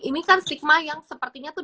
ini kan stigma yang sepertinya tuh